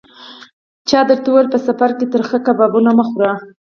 چا درته ویل: په سفر کې ترخه کبابونه مه خوره.